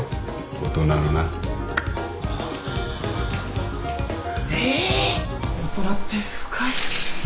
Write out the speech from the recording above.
大人って深い。